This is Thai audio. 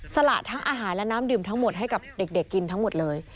สละทั้งอาหารและน้ำดื่มทั้งหมดให้กับเด็กกินทั้งหมดเลย